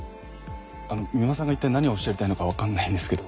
三馬さんが一体何をおっしゃりたいのかわからないんですけど。